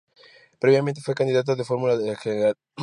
Previamente fue candidato de fórmula del Gral.